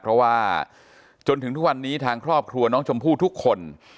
เพราะว่าจนถึงทุกวันนี้ทางครอบครัวน้องชมพู่ทุกคน